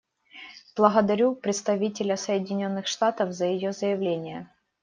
Благодарю представителя Соединенных Штатов за ее заявление.